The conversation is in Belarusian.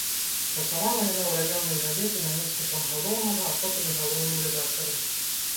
Працавала яна ў раённай газеце намеснікам галоўнага, а потым і галоўным рэдактарам.